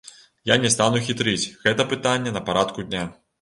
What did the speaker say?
Я не стану хітрыць, гэта пытанне на парадку дня.